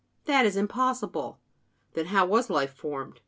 That is impossible." "Then how was life formed?"